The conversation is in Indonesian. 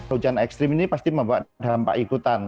hujan ekstrim ini pasti membuat dampak ikutan